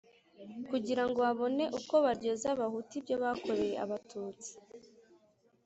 kugira ngo babone uko baryoza abahutu, ibyo bakoreye abatutsi